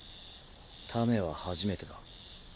タメは初めてだ。